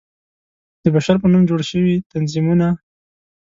د بشر په نوم جوړ شوى تنظيمونه